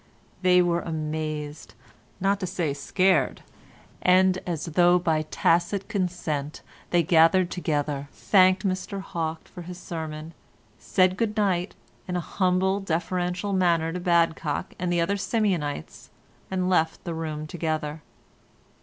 They were amazed, not to say scared, and as though by tacit consent they gathered together, thanked Mr Hawke for his sermon, said good night in a humble deferential manner to Badcock and the other Simeonites, and left the room together.